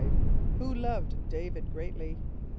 = Who loved D[=a]´vid greatly?